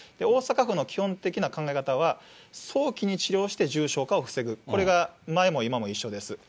大阪府の基本的な考え方は、早期に治療して重症化を防ぐ、これが前も今も一緒です。